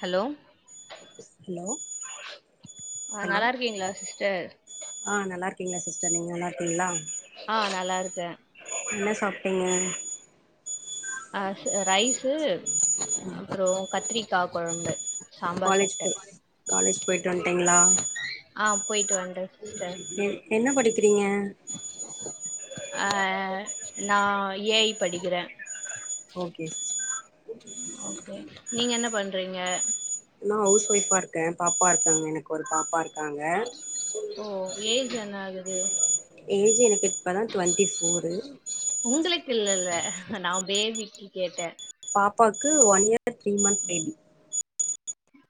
Hello hello ஆ hello நல்லாருக்கீங்களா sister ஆ நல்லா இருக்கீங்களா சிஸ்டர் நீங்க நல்லா இருக்கீங்களா அ நல்லாருக்க என்ன சாப்ட்டீங்க அ ரைஸு அப்றோ கத்திரிக்கா கொழம்பு சாம்பார் காலேஜ் சாப்ட்டே போ காலேஜ் போய்ட்டு வந்ட்டீங்ளா ஆ போய்ட்டு வன்ட சிஸ்டர் என்ன படிக்கிறீங்க ஆ நா ஏ ஐ படிக்கிறே ஓகே [inaudible] ஓகே நீங்க என்ன பண்றீங்க நா ஹவுஸ் ஒய்ஃபா இருக்கே பாப்பா இருக்காங்க எனக் ஒரு பாப்பா இரு காங்க ஓ ஏஜ் என்ன ஆகுது ஏஜ் எனக்கு இப்ப தா டுவெண்ட்டி ஃபோரு உங்களுக்கு இல்லல்ல நா பேபிக்கு கேட்ட பாப்பாக்கு one year three month baby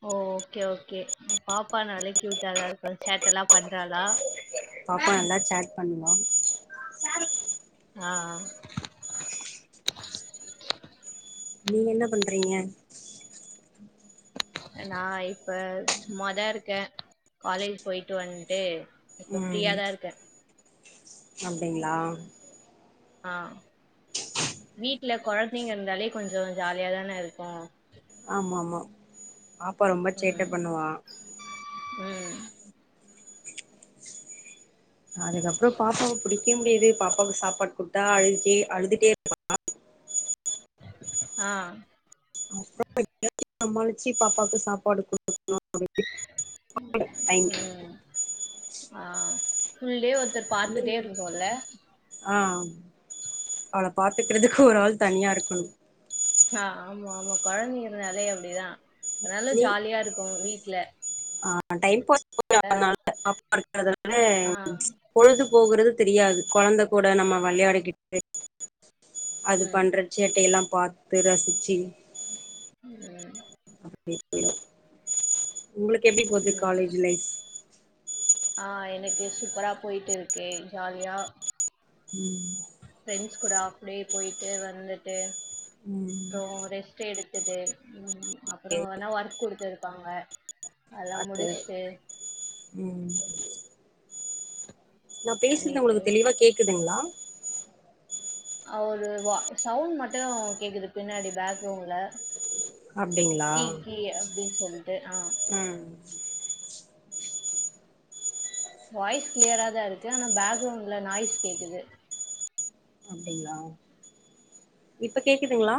ஓ ஓகே ஓகே பாப்பா நாலே க்யூட்டாதா இருக்கு சேட்ட எல்லா பண்றாளா பாப்பா நல்லா சேட் பண்வா ஆ ஆ நீங்க என்ன பண்றீங்க நா இப்ப சும்மாதா இருக்கே காலேஜ் போய்ட்டு வந்ட்டு இப்ப ம் ஃப்ரீயாதா இருக்கே அப்டிங்ளா ஆ வீட்ல கொழந்தைங்க இருந்தாலே கொஞ்சோ ஜாலியா தான இருக்கு ஆமா ஆமா பாப்பா ரொம்ப சேட்ட ம் பண்ணுவா ம் அதுக்கப்றோ பாப்பாவுக் புடிக்கவே முடியாது பாப்பாவுக் சாப்பாடு குடுத்தா அழ்கி அழுதுட்டே ஆ அப்றோ சமாளிச்சி பாப்பாவுக்கு சாப்பாடு குடுக்னு [inaudible] ம் ஆ ஃபுல்டே ஒர்தர் பாத்துட்டே இருக்கு போல ஆ அவள பாத்துக்கறதுக்கு ஒரு ஆள் தனியா இருக்கணு ஆ ஆமாமா கொழந்தைங்கனாலே அப்டிதா அதனால ஜாலியா இருக்கு வீட்ல ஆ [inaudible] அ ஆ பொழுது போகுறது தெரியாது கொழந்த கூட நம்ம வெளையாடிக்கிட்டு அது ம் பண்றத் சேட்டையெல்லா பாத்து ரசிச்சி ம் [inaudible] போய்டு உங்ளுக்கு எப்டி போது ம் காலேஜ் லைஃப் ஆ எனக்கு சூப்பரா போயிட்டு இருக்கே ஜாலியா ம் ஃப்ரெண்ட்ஸ் கூட ஆப்டே போய்ட்டு வந்துட்டு ம் அப்றோ ரெஸ் ட் எடுத்துட்டு ம் அப்றோ வேனா ஒர்க் குடுத்துருப்பாங்க அது ம் நா பேசுறது பண்ணிட்டு உங்களுக்கு தெளிவா கேக்குதுங்ளா அ ஒரு வ சவுண்ட் மட்டு கேக்குது பின்னாடி பேக் ரவுண்ட்ல அப்டிங்களா கீ க் அப்டின் சொல்ட்டு ஆ ம் வாய்ஸ் கிளியரா தா இருக்கு ஆனா பேக்ரவுண்ட்ல நாய்ஸ் கேக்குது அப்டிங்களா இப்ப கேக்குதுங்களா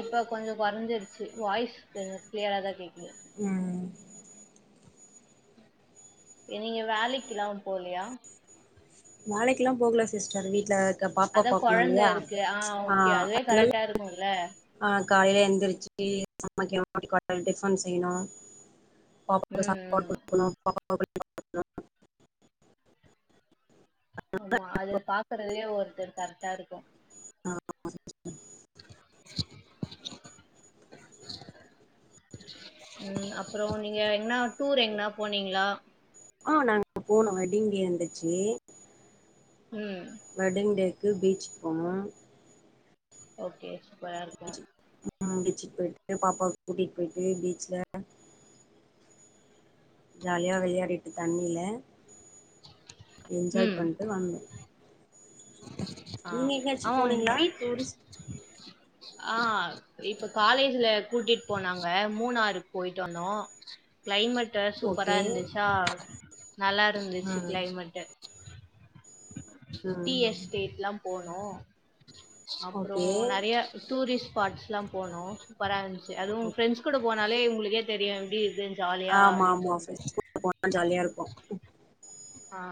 இப்ப கொஞ்சோ குறஞ்சிருச்சு வாய்ஸ் கொஞ்சோ கிளியரா தா கேக்குது என் நீங்க வேலைக்கெல்லா போலையா வேலைக்கெல்லா போகல சிஸ்டர் வீட்ல தா இருக்க பாப்பா அதான் பாக்கணும் இல்லையா ஆ அதனால டா இருக்குல்ல ஆ காலையில எந்திரிச்சு சமைக்கணும் டிஃபன் செய்யணும் பாப்பாக்கு ம் சாப்பாடு ம். குடுக்கணும் பாப்பாவ குளி ஆமா அது பாக்குறதே ஒருத்தர் கரெக்டா இருக்கும் [inaudible] உம் அப்புறம் நீங்க எதனா டூர் எங்கனா போனீங்களா ஆ நாங்க போனோம் வெட்டிங் டே இருந்துச்சு உம் வெட்டிங் டேக்கு பீச்சுக்கு போனோ ஓகே சூப்பரா இருக்கு பீச்சு ஆ பீச்சுக்கு போயிட்டு பாப்பாவ கூட்டிட்டு போயிட்டு பீச்ல ஜாலியா விளையாடிட்டு தண்ணில என்ஜாய் ம் பண்ணிட்டு வந்தோ ஆ நீங்க எங்கயாச்சு ஆமா ஆமா போனீங்களா பீச் டூரிஸ்ட் ஆ இப்ப காலேஜ்ல கூட்டிட்டு போனாங்க மூணாருக்கு போயிட்டு வந்தோ கிளைமேட்டு சூப்பரா ஓகே இருந்துச்சா நல்லா இருந்துச்சு ம் கிளைமேட்டு் டீ ம் எஸ்டேட்லா போனோம் ஓகே அப்புறம் நிறைய டூரிஸ்ட் பாட்ஸ்க்குல்லா போனோ சூப்பரா இருந்துச்சு அதுவும் ஃப்ரெண்ட்ஸ் கூட போனு அதனாலே உங்களுக்கே தெரியும் எப்படி இருக்கு ஜாலியா அப்படின் சொல்ட்டு ஜாலியாக இருக்கும் ஆ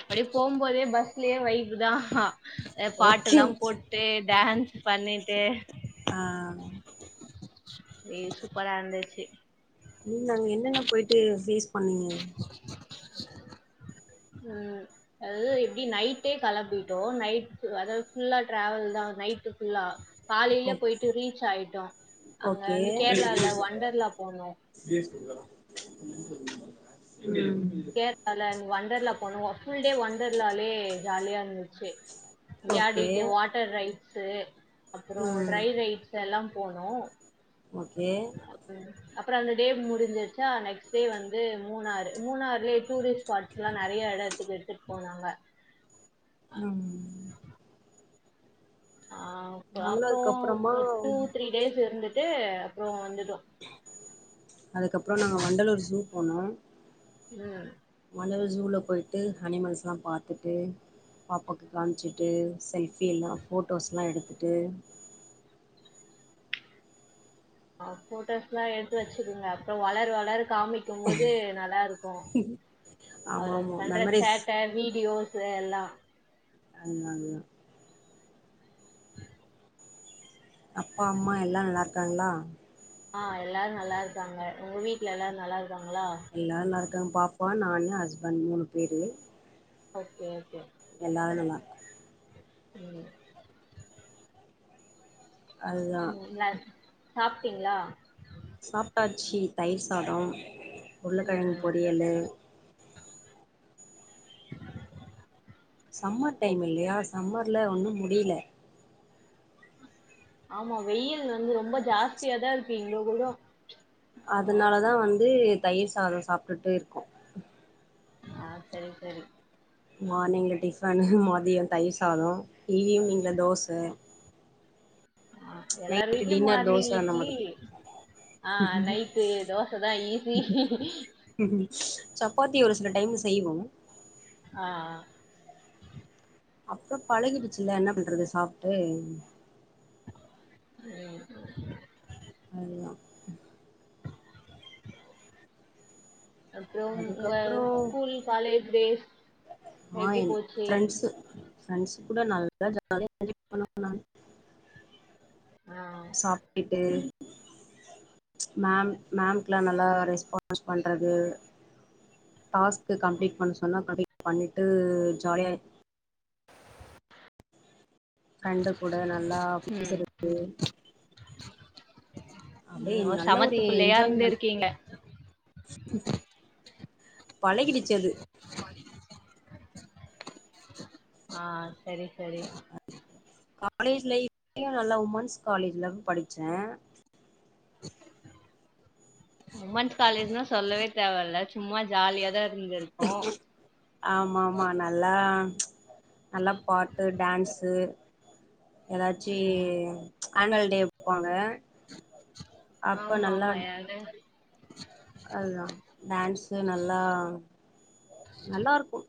அப்படி போம்போதே பஸ்லே வைபுதா அ பாட்டு ஓகே எல்லா ஓகே போட்டு ட்டு டான்ஸ் பண்ணிட்டு ஆ ஏ சூப்பரா இருந்துச்சு நீங்க அங்க என்னென்ன போயிட்டு பேஸ் பண்ணீங்க அ அதாவது எப்படி நைட்டே கிளம்பிட்டோம் நைட் அதாவது ஃபுல்லா டிராவல் தா நைட்டு ஃபுல்லா ஓ காலையில போயிட்டு ரீச் ஆயிட்டோம் அங்க ஓகே வந்து கேரளால ஒண்டர்லா போனோ [unintelligible] ல வொண்டர்ல போனோ ஃபுல் டே வொண்டர்லாலே ஜாலியா இருந்துச்சு ஓகே விளையாடிட்டு வாட்டர் ரைட்ஸ்ஸு அப்புறம் ம் ட்ரை ரைட்ஸ்ஸு எல்லா போனோம் ஓகே அப்புறம் அந்த டே முடிஞ்சிருச்சா நெக்ஸ்ட் டே வந்து மூணாறு மூணாறுலயே டூரிஸ்ட் ஸ்பார்ட்ஸ் எல்லா நிறைய இடத்துக்கு எடுத்துட்டு போனாங்க உம் ஆ நாங்களு அப்புறம் அதுக்கப்புறமா டூ த்ரீ டேஸ் இருந்துட்டு அப்புறம் வந்துட்டோ அதுக்கப்புறம் நாங்க வண்டலூர் ஜூ போனோம் உம் வண்டலுர் ஜூல போய்ட்டு அனிமல்ஸ்லா பார்த்துட்டு பாப்பாக்கு காமிச்சுட்டு செல்ஃப் ஃபீலா ஃபோட்டோஸ்லா எடுத்துட்டு ஃபோட்டோஸ் எல்லா எடுத்து வச்சுக்கோங்க அப்புறம் வளர வளர காமிக்க இருக்கு போது நல்லாருக்கு ஆமா அவர் ஆமா பண்ற மெமரிஸ் சேட்டை வீடியோஸ் இதா எல்லா அண்ணாங்கு அப்பா அம்மா எல்லா நல்லாருக்காங்ளா ஆ எல்லாரு நல்லாருக்காங்க உங்க வீட்ல எல்லாரு நல்லாருக்காங்களா எல்லார் நல்லாருக்காங்க பாப்பா நானு ஹஸ்பண்ட் மூணு பேரு ஓகே ஓகே எல்லாருக்குதா ம் அதுதா ம் என்னாது சாப்ட்டீங்ளா சாப்ட்டாச்சு தயிர் சாத ம் உருளக்கெழங் ம் பொரியலு சம்மர் டைம் ஓகே இல்லையா சம்மர்ல ஒன்னு முடில ஆமா வெயில் வந்து ரொம்ப ஜாஸ்தியதா இருக்கு இங்க கூட ஆ அதனாலதா வந்து தயிர் சாத சாப்ட்டுட்டு இருக்கோ ஆ சரி சரி மார்னிங்ல டிஃபன் மதியொ தயிர் சாத ஈவ்னிங்ல தோச எல்லாரு நைட்டு வீட்லயு டின்னர் தோச மார்னிங் அந்த இட்லி மாதிரி ஆ நைட்டு தோச தா ஈசி சப்பாத்தி ஒரு சில டைம்ல செய்வோ ஆ அப்பொ பழகிடுச்சுல என்ன பண்றது சாப்ட்டு ம் அதுதா அப்ற உங்க அதுக்கப்றோ ஸ்கூல் காலேஜ் டேஸ் எப்டி மார்னிங் போச்சு ஃப்ரண்ட்ஸ்ஸு ஃப்ரண்ட்ஸ் கூட நல்லா ஜாலியா என்ஜாய் பண்ண நானு ஆ சாப்டிட்டு மேம் மேம்க்ல்லா நல்லா ரெஸ்பான்ஸ் பண்றது டாஸ்க்கு கம்ப்ளீட் பண்ண சொன்னா கம்ப்ளீட் பண்ணிட்டு ஜாலியா ஃப்ரண்டு கூட நல்லா ம் பேசுறது அப்டியே ம் ஒரு நல்ல சமத்து புள்ளயா இருந்துருக்கீங்க பழகிடிச்சு அது ஆ சரி சரி காலேஜ் லைஃப்லயு நல்லா உமன்ஸ் காலேஜ்ல படிச்ச [inaudible] உமன்ஸ் காலேஜ்னா சொல்லவே தேவைல்ல சும்மா ஜாலியாதா இருந்துருக் ஆமா ஆமா நல்லா நல்லா பாட்டு டான்சு எதாச்சி ம் ஆனுவல் டே வப்பாங்க ஆமா ஆமா யாடு அதுதா டான்சு நல்லா நல்லாருக்கு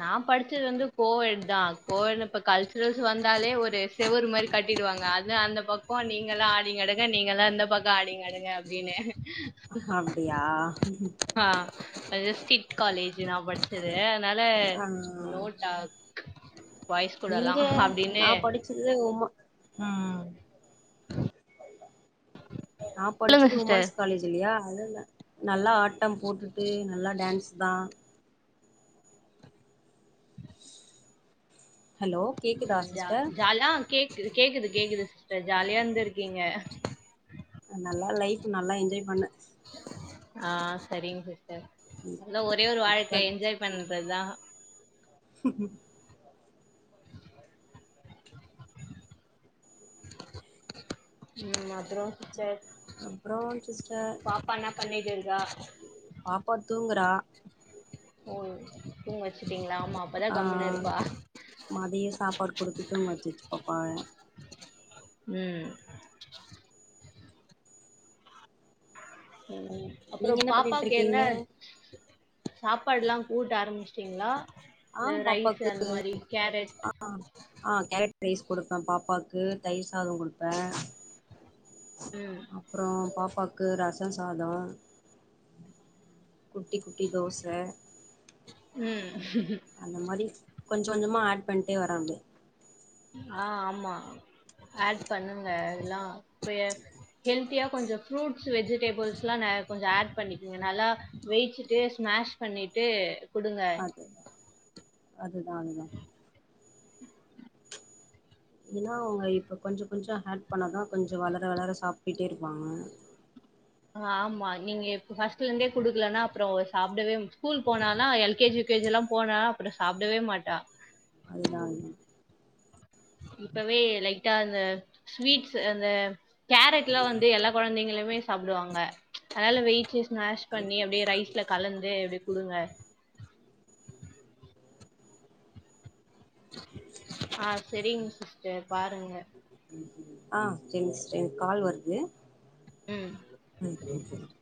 நா படிச்சது வந்து கோ எட் தா கோ எட் ல இப்ப கல்ச்சுரல்ஸ் வந்தாலே ஒரு செவரு மாரி கட்டிடுவாங்க அது அந்த பக்கொ நீங்களா ஆடிங்கடங்க நீங்கல்லா இந்த பக்கொ ஆடிங்கடங்க அப் ஜினு அப்டியா ஆ அது ஸ்ரிட் காலேஜு நா படிச் சது அதுனால ஆ நோ டாக் பாய்ஸ் கூடலா அப்டின்னு சிது எங்கம்மா ம் நா சொல்லுங்க படிச்சது சிஸ்டர் உமன்ஸ் காலேஜ் இல்லியா அதுனால நல்லா ஆட் டம் போட்டுட்டு நல்லா டான்ஸ் தா ஹலோ கேக்குதா ம் ஜ சிஸ்டர் ஜால் ஆ கேக்குது கேக்குது கேக்குது சிஸ்டர் ஜாலியா இருந்திருக்கீங்க நல்லா லைஃபு நல்லா என்ஜாய் பண்ண ஆ சரிங் சிஸ்டர் நல்லா ஒரே ஒரு இப்ப வாழ்க்க என்ஜாய் பண்றதா ஹ் ஹ்ம் ம் அப்றோ சிஸ்டர் அப்றோ சிஸ்டர் பாப்பா என்ன பண்ணிட்டு இருக்கா பாப்பா தூங்குறா ஓ தூங்க வச்சுட்டீங்ளா ஆமா அப்பதா ஆ கம்முன்னு இருப்பா மதியோ சாப்பாடு குடுத்து தூங்க வச்சாச்சு பாப்பாவ ம் ம் அப்றோ நீங்க என்ன பண்ணிட்டு பாப்பாக்கு என்ன இருக்கீங்க சாப்பாடுலா ஊட்ட ஆரமிஸ்டீங்ளா ஆ இது ரைஸு பாப்பாக்கு அந்த மாரி கேரட் ஆ ஆ கேரட் ரைஸ் குடுப்ப பாப்பாக்கு தயிர் சாதோ குடுப்ப ம் அப்றோ பாப்பாக்கு ரச சாதோ குட்டி குட்டி தோச ம் அந்த மாரி கொஞ்சோ கொஞ்சமா ஆட் பண்ட்டே வர அப்டியே ஆ ஆமா ஆட் பண்ணுங்க எல்லா இப்பயே ஹெல்தியா கொஞ்சோ ஃப்ரூட்ஸ் வெஜிடேபிள்ஸ்லா ந கொஞ்சோ ஆட் பண்ணிக்குங்க நல்லா வெய்ச்சுட்டு ஸ்மாஷ் பண்ணிட்டு குடுங்க அது அதுதா அதுதா ஏனா அவுங்க இப்போ கொஞ்சோ கொஞ்சோ ஆட் பண்ணாதா கொஞ்சோ வளர வளர சாப்டுட்டே இருப்பாங்க ஆமா நீங்க இப் ஃபஸ்ட்ல இருந்தே குடுக்கலனா அப்றோ சாப்டவே ஸ்கூல் போனானா L K G U K ஜிலா போனா அப்றோ சாப்டவே மாட்டா அதுதான் இப்பவே லைட்டா அந்த ஸ்வீட்ஸு அந்த கேரட்லா வந்து எல்லா கொழந்தைங்களுமே சாப்டுவாங்க அதுனால வெய்ச்சு ஸ்மாஷ் பண்ணி அப்டியே ரைஸ்ல கலந்து அப்டி குடுங்க ஆ செரிங்க சிஸ்டர் பாருங்க ஆ செரிங் சிஸ்டர் எனக் கால் வருது ம் ம் வெய்கிஸ்ட்